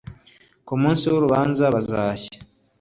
Kumunsi wurubanza bazashya